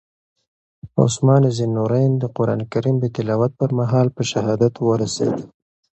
عثمان ذوالنورین د قرآن کریم د تلاوت پر مهال په شهادت ورسېد.